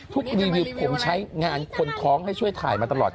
รีวิวผมใช้งานคนท้องให้ช่วยถ่ายมาตลอด